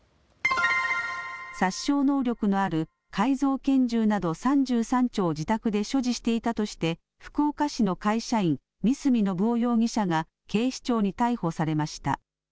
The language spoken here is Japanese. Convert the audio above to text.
殺傷能力のある改造拳銃など３３丁を自宅で所持していたとして福岡市の会社員、三角信夫容疑者が警視庁に逮捕されました。